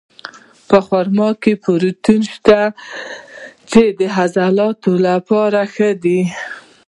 په خرما کې پروټین شته، چې د عضلاتو لپاره ښه دي.